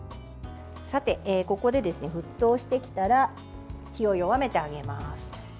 ここで、沸騰してきたら火を弱めてあげます。